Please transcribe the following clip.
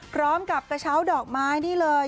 พร้อมกับกระเช้าดอกไม้นี่เลย